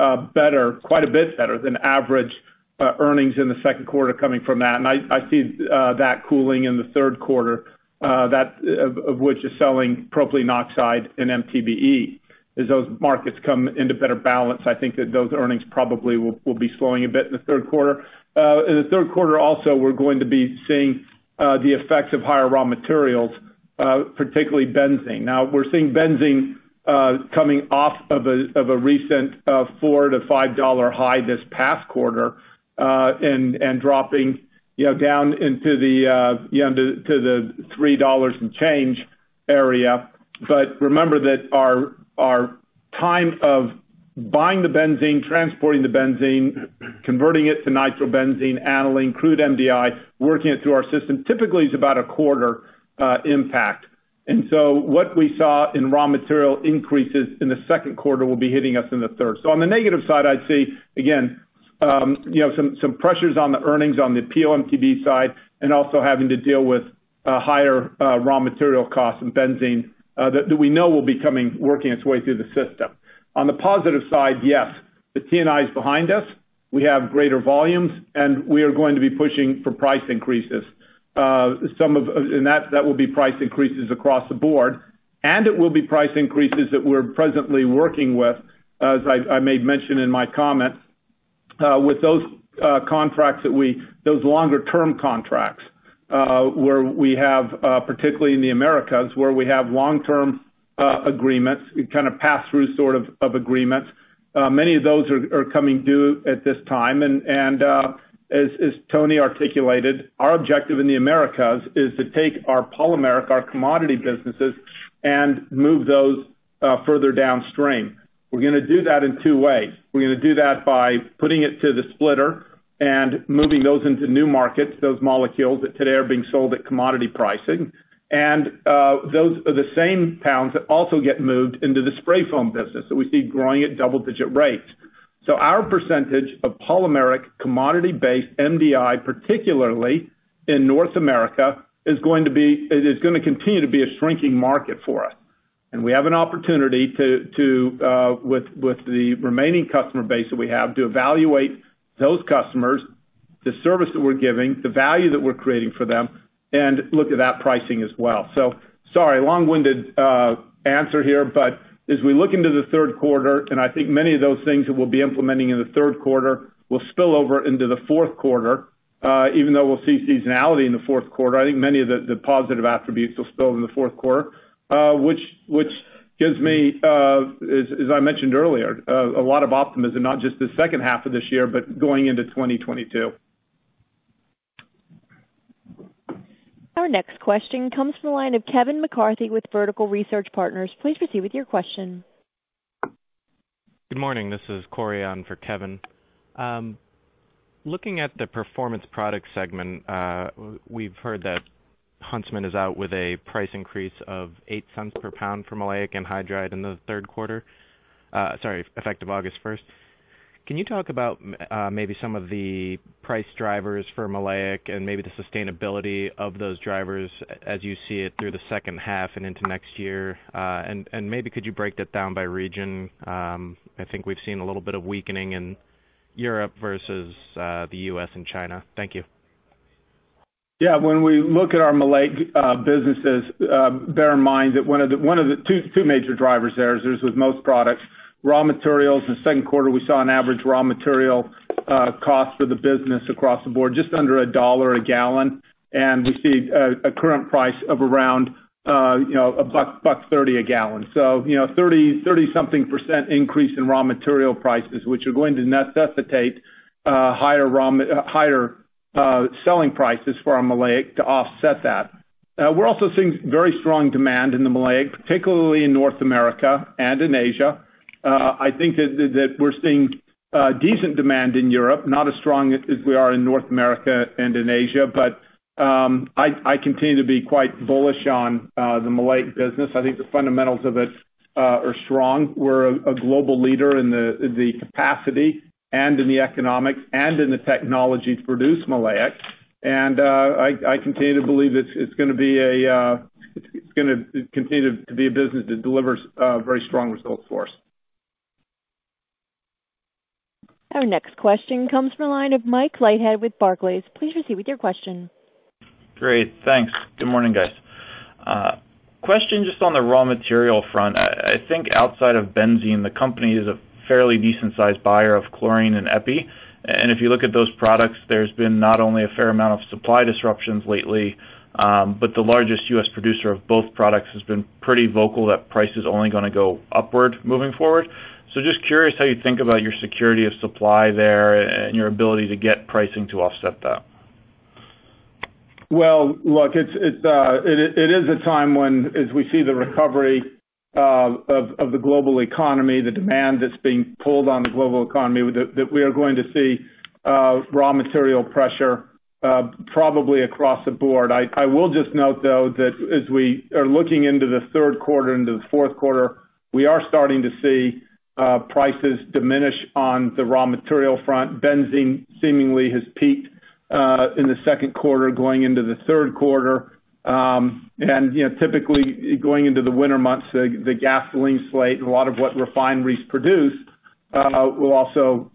quite a bit better than average earnings in the second quarter coming from that. I see that cooling in the third quarter, of which is selling propylene oxide and MTBE. As those markets come into better balance, I think that those earnings probably will be slowing a bit in the third quarter. In the third quarter, also, we're going to be seeing the effects of higher raw materials, particularly benzene. Now, we're seeing benzene coming off of a recent $4-$5 high this past quarter, and dropping down into the $3 and change area. Remember that our time of buying the benzene, transporting the benzene, converting it to nitrobenzene, aniline, crude MDI, working it through our system, typically is about a quarter impact. What we saw in raw material increases in the second quarter will be hitting us in the third. On the negative side, I'd say, again, some pressures on the earnings on the PO/MTBE side, and also having to deal with higher raw material costs and benzene, that we know will be working its way through the system. On the positive side, yes, the T&I is behind us. We have greater volumes, and we are going to be pushing for price increases. That will be price increases across the board, and it will be price increases that we're presently working with, as I made mention in my comment, with those longer-term contracts, where we have, particularly in the Americas, where we have long-term agreements, kind of pass-through sort of agreements. Many of those are coming due at this time, and as Tony articulated, our objective in the Americas is to take our polymeric, our commodity businesses, and move those further downstream. We're going to do that in two ways. We're going to do that by putting it to the splitter and moving those into new markets, those molecules that today are being sold at commodity pricing. Those are the same pounds that also get moved into the spray foam business that we see growing at double-digit rates. Our percentage of polymeric commodity-based MDI, particularly in North America, is going to continue to be a shrinking market for us. We have an opportunity with the remaining customer base that we have, to evaluate those customers, the service that we're giving, the value that we're creating for them, and look at that pricing as well. Sorry, long-winded answer here, as we look into the third quarter, I think many of those things that we'll be implementing in the third quarter will spill over into the fourth quarter, even though we'll see seasonality in the fourth quarter. I think many of the positive attributes will spill over in the fourth quarter, which gives me, as I mentioned earlier, a lot of optimism, not just the second half of this year, but going into 2022. Our next question comes from the line of Kevin McCarthy with Vertical Research Partners. Please proceed with your question. Good morning. This is Corey on for Kevin. Looking at the Performance Products segment, we've heard that Huntsman is out with a price increase of $0.08 per pound for maleic anhydride in the third quarter. Sorry, effective August 1st. Can you talk about maybe some of the price drivers for maleic and maybe the sustainability of those drivers as you see it through the second half and into next year? Could you break that down by region? I think we've seen a little bit of weakening in Europe versus the U.S. and China. Thank you. When we look at our maleic businesses, bear in mind that one of the two major drivers there, as with most products, raw materials. In the second quarter, we saw an average raw material cost for the business across the board, just under $1 a gallon, and we see a current price of around $1.30 a gallon. 30 something percent increase in raw material prices, which are going to necessitate higher selling prices for our maleic to offset that. We're also seeing very strong demand in the maleic, particularly in North America and in Asia. I think that we're seeing decent demand in Europe, not as strong as we are in North America and in Asia. I continue to be quite bullish on the maleic business. I think the fundamentals of it are strong. We're a global leader in the capacity and in the economics and in the technology to produce maleic. I continue to believe it's going to continue to be a business that delivers very strong results for us. Our next question comes from the line of Mike Leithead with Barclays. Please proceed with your question. Great. Thanks. Good morning, guys. Question just on the raw material front. I think outside of benzene, the company is a fairly decent-sized buyer of chlorine and epi. If you look at those products, there's been not only a fair amount of supply disruptions lately, but the largest U.S. producer of both products has been pretty vocal that price is only going to go upward moving forward. Just curious how you think about your security of supply there and your ability to get pricing to offset that. Well, look, it is a time when, as we see the recovery of the global economy, the demand that's being pulled on the global economy, that we are going to see raw material pressure probably across the board. I will just note, though, that as we are looking into the third quarter, into the fourth quarter, we are starting to see prices diminish on the raw material front. Benzene seemingly has peaked in the second quarter going into the third quarter. Typically, going into the winter months, the gasoline slate and a lot of what refineries produce, you'll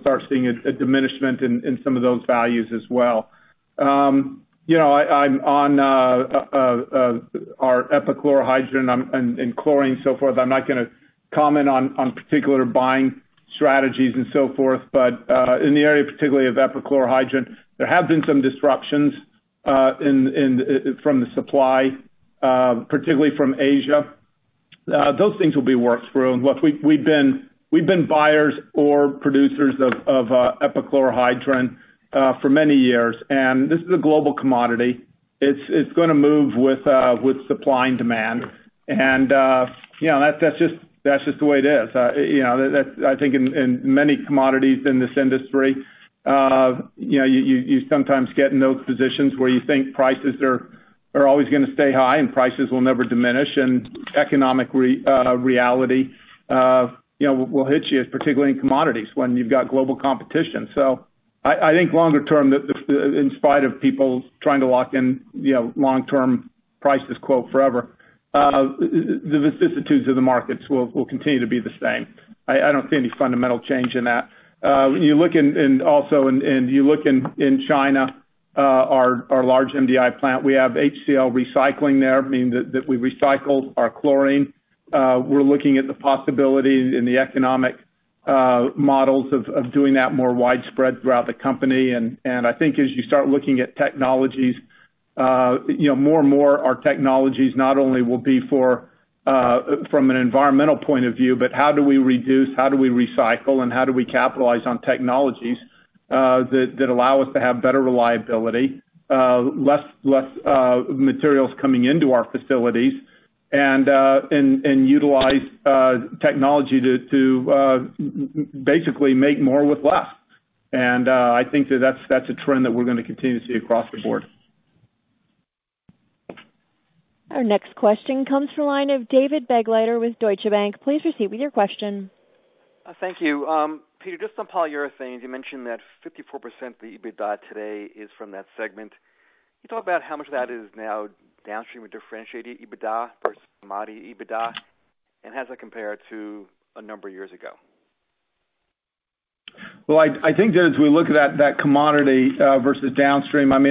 start seeing a diminishment in some of those values as well. On our epichlorohydrin and chlorine, so forth, I'm not going to comment on particular buying strategies and so forth. In the area, particularly of epichlorohydrin, there have been some disruptions from the supply, particularly from Asia. Those things will be worked through. Look, we've been buyers or producers of epichlorohydrin for many years. This is a global commodity. It's going to move with supply and demand. That's just the way it is. I think in many commodities in this industry, you sometimes get in those positions where you think prices are always going to stay high and prices will never diminish, and economic reality will hit you, particularly in commodities when you've got global competition. I think longer term, in spite of people trying to lock in long-term prices quote forever, the vicissitudes of the markets will continue to be the same. I don't see any fundamental change in that. You look in China, our large MDI plant, we have HCl recycling there, meaning that we recycle our chlorine. We're looking at the possibility and the economic models of doing that more widespread throughout the company. I think as you start looking at technologies, more and more our technologies not only will be from an environmental point of view, but how do we reduce, how do we recycle, and how do we capitalize on technologies that allow us to have better reliability, less materials coming into our facilities, and utilize technology to basically make more with less. I think that that's a trend that we're going to continue to see across the board. Our next question comes from the line of David Begleiter with Deutsche Bank. Please proceed with your question. Thank you. Peter, just on Polyurethanes, you mentioned that 54% of the EBITDA today is from that segment. Can you talk about how much of that is now downstream or differentiated EBITDA versus commodity EBITDA, and how does that compare to a number of years ago? Well, I think as we look at that commodity versus downstream, I'm a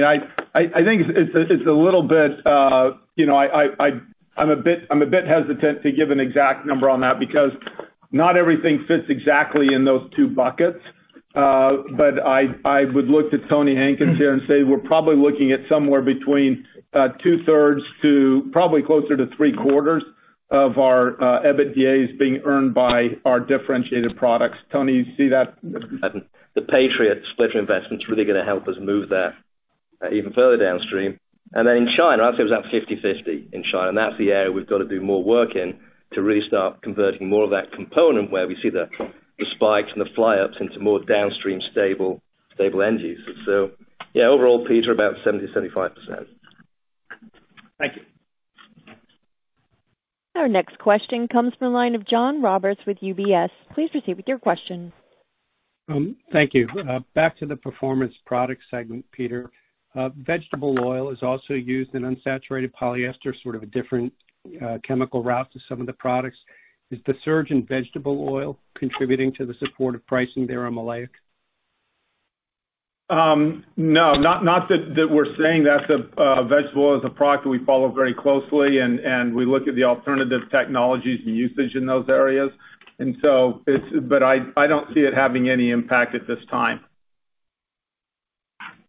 bit hesitant to give an exact number on that because not everything fits exactly in those two buckets. I would look to Tony Hankins here and say we're probably looking at somewhere between two-thirds to probably closer to three-quarters of our EBITDAs being earned by our differentiated products. Tony, you see that? The Patriot splitter investment's really going to help us move that even further downstream. In China, I'd say it was about 50/50 in China. That's the area we've got to do more work in to really start converting more of that component where we see the spikes and the flyups into more downstream stable end uses. Yeah, overall, Peter, about 70%, 75%. Thank you. Our next question comes from the line of John Roberts with UBS. Please proceed with your question. Thank you. Back to the Performance Products segment, Peter. Vegetable oil is also used in unsaturated polyester, sort of a different chemical route to some of the products. Is the surge in vegetable oil contributing to the support of pricing there on maleic? No, not that we're saying that. Vegetable oil is a product that we follow very closely, and we look at the alternative technologies and usage in those areas. I don't see it having any impact at this time.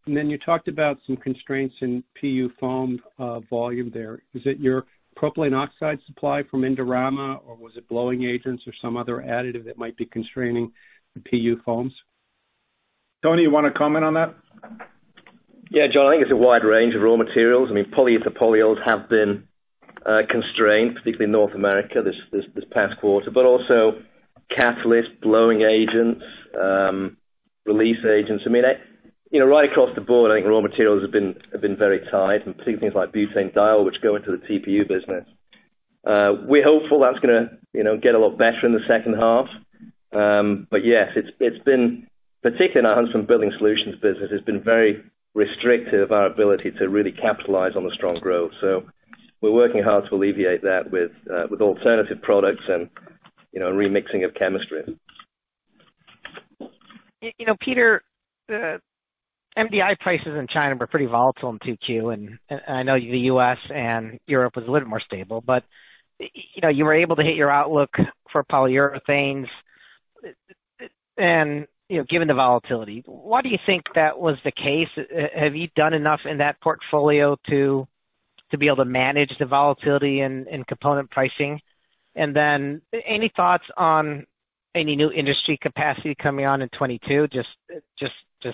You talked about some constraints in PU foam volume there. Is it your propylene oxide supply from Indorama, or was it blowing agents or some other additive that might be constraining the PU foams? Tony, you want to comment on that? Yeah, John, I think it's a wide range of raw materials. Polyether polyols have been constrained, particularly in North America this past quarter, but also catalysts, blowing agents, release agents. Right across the board, I think raw materials have been very tight, and particularly things like butanediol, which go into the TPU business. We're hopeful that's going to get a lot better in the second half. Yes, particularly in our Huntsman Building Solutions business, it's been very restrictive of our ability to really capitalize on the strong growth. We're working hard to alleviate that with alternative products and remixing of chemistry. Peter, the MDI prices in China were pretty volatile in 2Q, and I know the U.S. and Europe was a little more stable. You were able to hit your outlook for Polyurethanes. Given the volatility, why do you think that was the case? Have you done enough in that portfolio to be able to manage the volatility in component pricing. Any thoughts on any new industry capacity coming on in 2022? Just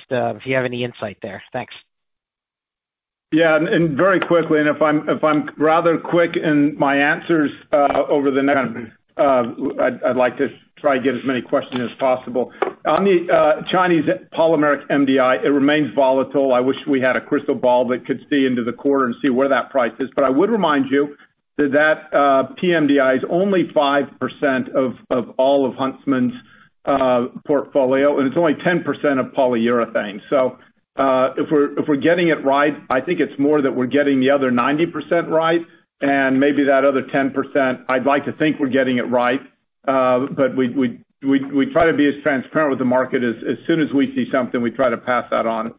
if you have any insight there. Thanks. Yeah, very quickly, if I'm rather quick in my answers, I'd like to try to get as many questions as possible. On the Chinese polymeric MDI, it remains volatile. I wish we had a crystal ball that could see into the quarter and see where that price is. I would remind you that PMDI is only 5% of all of Huntsman's portfolio, and it's only 10% of Polyurethanes. If we're getting it right, I think it's more that we're getting the other 90% right, and maybe that other 10%, I'd like to think we're getting it right. We try to be as transparent with the market. As soon as we see something, we try to pass that on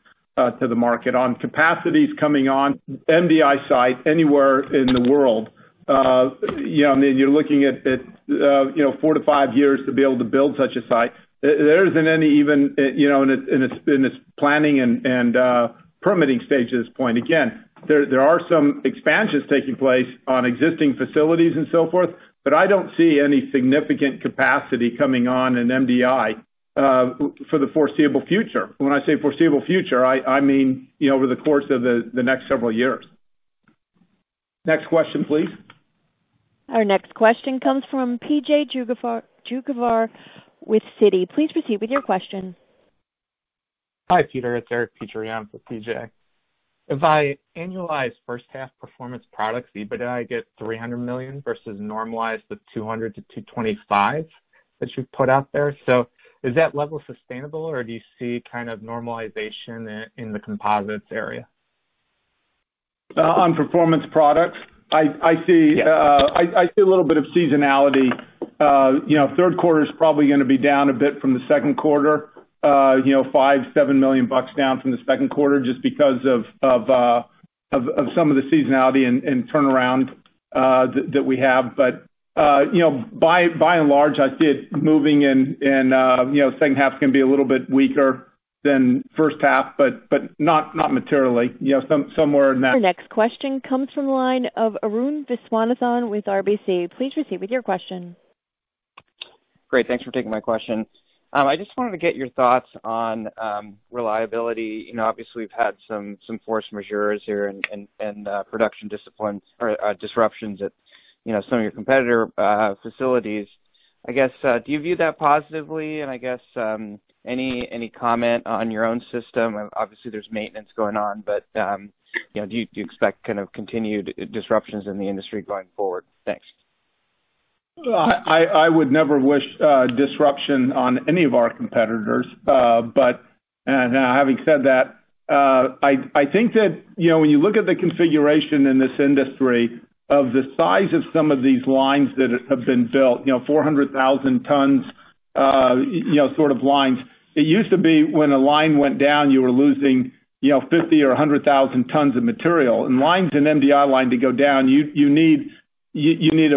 to the market. On capacities coming on MDI site anywhere in the world, you're looking at four to five years to be able to build such a site. There isn't any even in its planning and permitting stage at this point. Again, there are some expansions taking place on existing facilities and so forth, but I don't see any significant capacity coming on in MDI for the foreseeable future. When I say foreseeable future, I mean over the course of the next several years. Next question, please. Our next question comes from P.J. Juvekar with Citi. Please proceed with your question. Hi, Peter. It's Eric Petrie for P.J. If I annualize first half Performance Products EBITDA, I get $300 million versus normalized with $200 million-$225 million that you've put out there. Is that level sustainable, or do you see kind of normalization in the composites area? On Performance Products. Yes I see a little bit of seasonality. Third quarter is probably going to be down a bit from the second quarter. $5 million-$7 million down from the second quarter just because of some of the seasonality and turnaround that we have. By and large, I see it moving and second half's going to be a little bit weaker than first half, but not materially. Our next question comes from the line of Arun Viswanathan with RBC. Please proceed with your question. Great. Thanks for taking my question. I just wanted to get your thoughts on reliability. Obviously, we've had some force majeure here and production disruptions at some of your competitor facilities. I guess, do you view that positively? I guess, any comment on your own system? Obviously, there's maintenance going on, but do you expect kind of continued disruptions in the industry going forward? Thanks. I would never wish disruption on any of our competitors. Having said that, I think that when you look at the configuration in this industry of the size of some of these lines that have been built, 400,000 tons sort of lines. It used to be when a line went down, you were losing 50 or 100,000 tons of material. Lines in MDI line to go down, you need a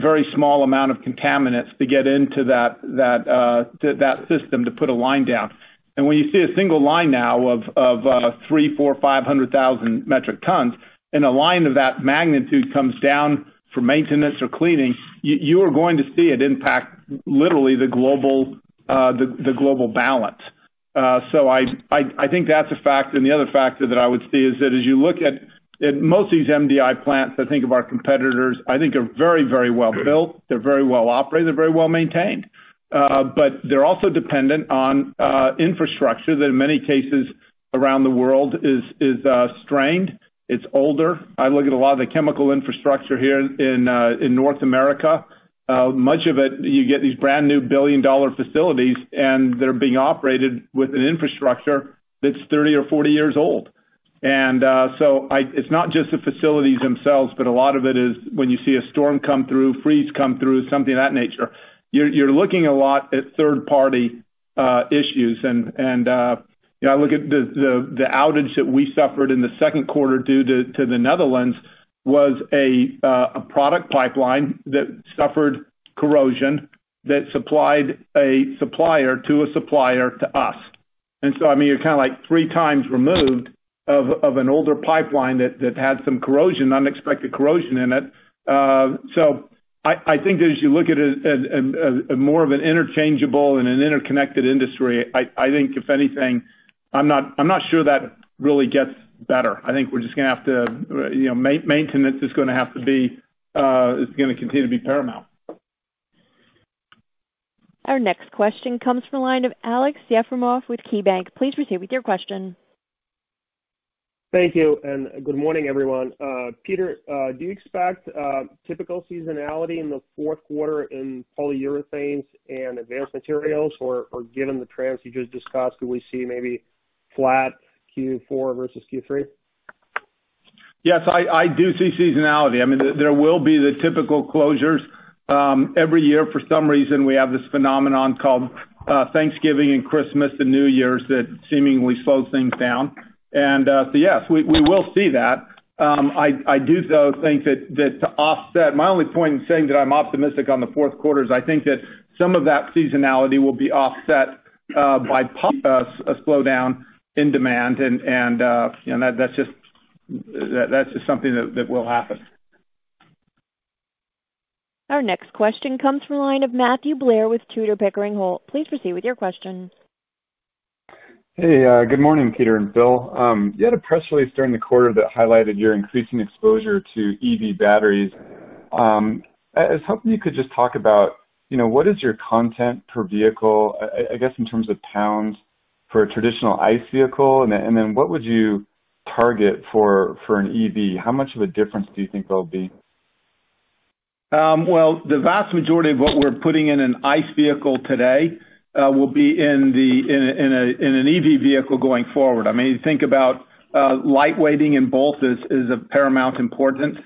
very small amount of contaminants to get into that system to put a line down. When you see a single line now of three, four, 500,000 metric tons, and a line of that magnitude comes down for maintenance or cleaning, you are going to see it impact literally the global balance. I think that's a factor. The other factor that I would see is that as you look at most of these MDI plants, I think of our competitors, I think are very well-built. They're very well operated. They're very well maintained. They're also dependent on infrastructure that in many cases around the world is strained. It's older. I look at a lot of the chemical infrastructure here in North America. Much of it, you get these brand-new billion-dollar facilities, and they're being operated with an infrastructure that's 30 or 40 years old. It's not just the facilities themselves, but a lot of it is when you see a storm come through, freeze come through, something of that nature. You're looking a lot at third-party issues. I look at the outage that we suffered in the second quarter due to the Netherlands was a product pipeline that suffered corrosion that supplied a supplier to a supplier to us. You're kind of like three times removed of an older pipeline that had some corrosion, unexpected corrosion in it. I think that as you look at it as more of an interchangeable and an interconnected industry, I think if anything, I'm not sure that really gets better. I think we're just going to have maintenance is going to continue to be paramount. Our next question comes from the line of Aleksey Yefremov with KeyBanc. Please proceed with your question. Thank you, and good morning, everyone. Peter, do you expect typical seasonality in the fourth quarter in Polyurethanes and Advanced Materials? Given the trends you just discussed, do we see maybe flat Q4 versus Q3? Yes, I do see seasonality. There will be the typical closures. Every year, for some reason, we have this phenomenon called Thanksgiving and Christmas and New Year's that seemingly slow things down. Yes, we will see that. I do, though, think that my only point in saying that I'm optimistic on the fourth quarter is I think that some of that seasonality will be offset by a slowdown in demand, and that's just something that will happen. Our next question comes from the line of Matthew Blair with Tudor, Pickering, Holt. Please proceed with your questions. Hey, good morning, Peter and Phil. You had a press release during the quarter that highlighted your increasing exposure to EV batteries. I was hoping you could just talk about what is your content per vehicle, I guess, in terms of pounds for a traditional ICE vehicle, and then what would you target for an EV? How much of a difference do you think there'll be? Well, the vast majority of what we're putting in an ICE vehicle today will be in an EV vehicle going forward. Think about lightweighting in both is of paramount importance.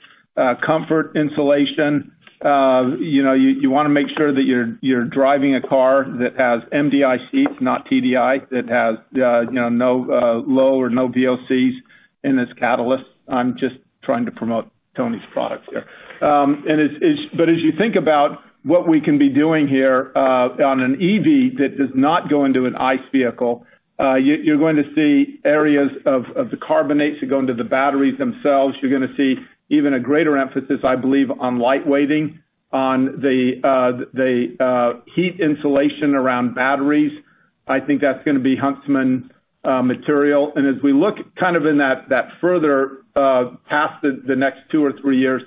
Comfort, insulation. You want to make sure that you're driving a car that has MDI seats, not TDI, that has low or no VOCs in its catalyst. I'm just trying to promote Tony's products here. As you think about what we can be doing here on an EV that does not go into an ICE vehicle, you're going to see areas of the carbonates that go into the batteries themselves. You're going to see even a greater emphasis, I believe, on lightweighting, on the heat insulation around batteries. I think that's going to be Huntsman material. As we look kind of in that further past the next two or three years,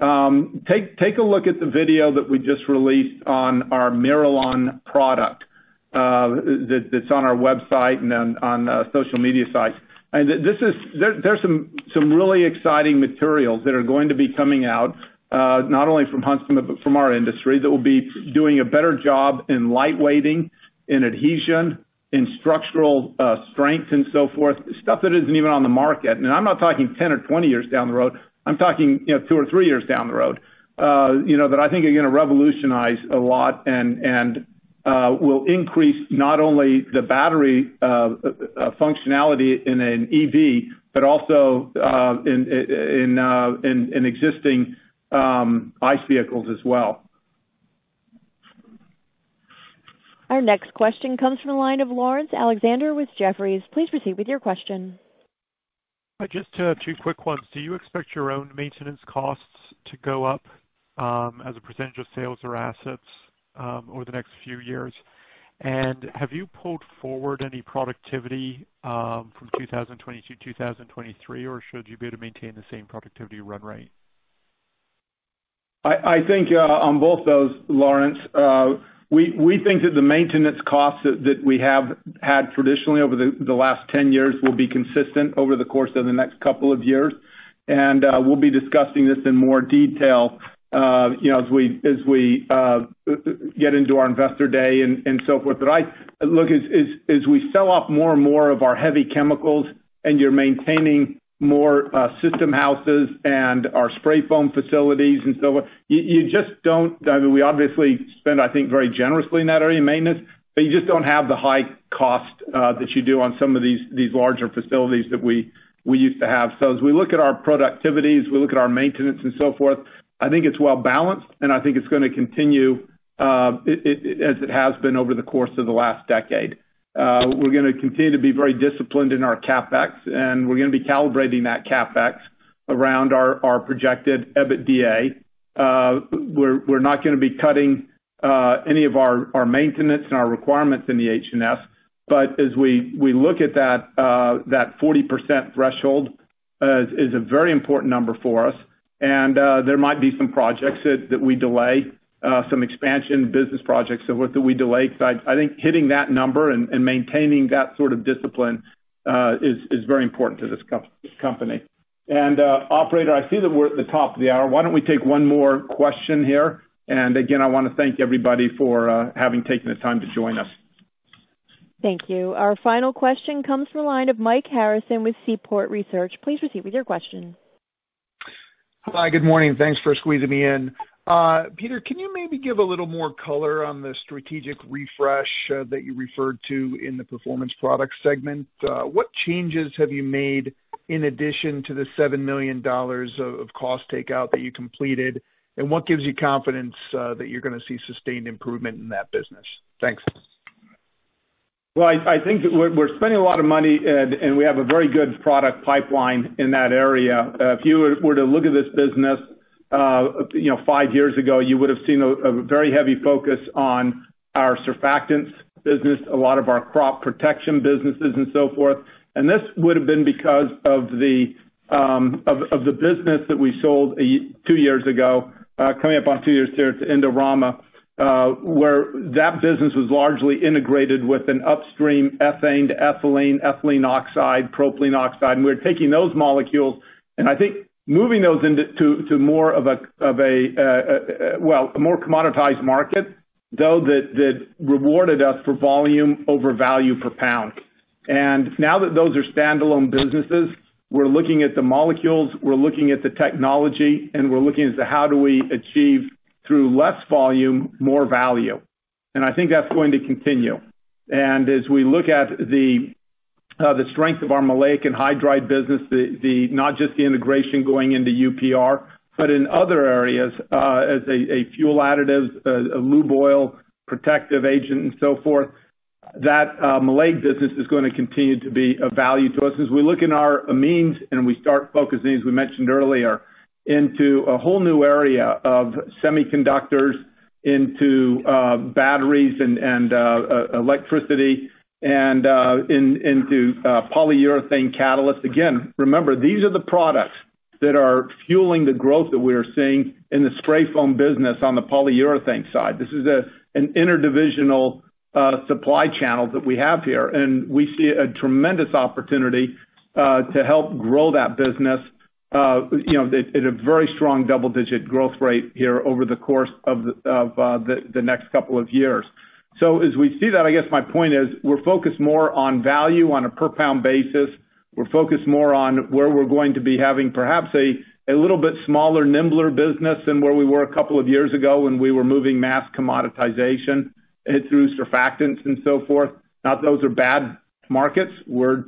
take a look at the video that we just released on our MIRALON product, that's on our website and on social media sites. There's some really exciting materials that are going to be coming out, not only from Huntsman, but from our industry, that will be doing a better job in lightweighting, in adhesion, in structural strength, and so forth, stuff that isn't even on the market. I'm not talking 10 or 20 years down the road. I'm talking two or three years down the road. That I think are going to revolutionize a lot and will increase not only the battery functionality in an EV, but also in existing ICE vehicles as well. Our next question comes from the line of Laurence Alexander with Jefferies. Please proceed with your question. Just two quick ones. Do you expect your own maintenance costs to go up as a percentage of sales or assets over the next few years? Have you pulled forward any productivity from 2022, 2023, or should you be able to maintain the same productivity run rate? I think on both those, Laurence, we think that the maintenance costs that we have had traditionally over the last 10 years will be consistent over the course of the next couple of years. We'll be discussing this in more detail as we get into our investor day and so forth. As we sell off more and more of our heavy chemicals and you're maintaining more system houses and our spray foam facilities and so on, we obviously spend, I think, very generously in that area, maintenance, but you just don't have the high cost that you do on some of these larger facilities that we used to have. As we look at our productivity, as we look at our maintenance and so forth, I think it's well-balanced, and I think it's going to continue as it has been over the course of the last decade. We're going to continue to be very disciplined in our CapEx, and we're going to be calibrating that CapEx around our projected EBITDA. We're not going to be cutting any of our maintenance and our requirements in EH&S. As we look at that 40% threshold is a very important number for us, and there might be some projects that we delay, some expansion business projects that we delay, because I think hitting that number and maintaining that sort of discipline is very important to this company. Operator, I see that we're at the top of the hour. Why don't we take one more question here? Again, I want to thank everybody for having taken the time to join us. Thank you. Our final question comes from the line of Mike Harrison with Seaport Research. Please proceed with your question. Hi, good morning. Thanks for squeezing me in. Peter, can you maybe give a little more color on the strategic refresh that you referred to in the Performance Products segment? What changes have you made in addition to the $7 million of cost takeout that you completed, and what gives you confidence that you're going to see sustained improvement in that business? Thanks. Well, I think we're spending a lot of money, and we have a very good product pipeline in that area. If you were to look at this business five years ago, you would have seen a very heavy focus on our surfactants business, a lot of our crop protection businesses and so forth. This would have been because of the business that we sold two years ago, coming up on two years here, to Indorama, where that business was largely integrated with an upstream ethane to ethylene oxide, propylene oxide, and we were taking those molecules, and I think moving those into more of a commoditized market, though that rewarded us for volume over value per pound. Now that those are standalone businesses, we're looking at the molecules, we're looking at the technology, and we're looking as to how do we achieve through less volume, more value. I think that's going to continue. As we look at the strength of our maleic anhydride business, not just the integration going into UPR, but in other areas as a fuel additive, a lube oil protective agent and so forth, that maleic business is going to continue to be of value to us. As we look in our amines and we start focusing, as we mentioned earlier, into a whole new area of semiconductors, into batteries and electricity and into polyurethane catalysts. Again, remember, these are the products that are fueling the growth that we are seeing in the spray foam business on the polyurethane side. This is an interdivisional supply channel that we have here, and we see a tremendous opportunity to help grow that business at a very strong double-digit growth rate here over the course of the next couple of years. As we see that, I guess my point is we're focused more on value on a per pound basis. We're focused more on where we're going to be having perhaps a little bit smaller, nimbler business than where we were a couple of years ago when we were moving mass commoditization through surfactants and so forth. Not that those are bad markets. We're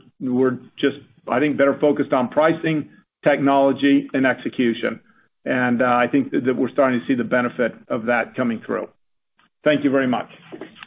just, I think, better focused on pricing, technology, and execution. I think that we're starting to see the benefit of that coming through. Thank you very much.